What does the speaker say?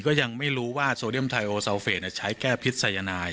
ก็ยังไม่รู้ว่าโซเดียมไทโอซาวเฟสใช้แก้พิษัยนาย